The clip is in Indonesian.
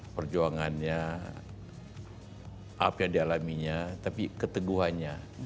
perjuangannya apa yang dialaminya tapi keteguhannya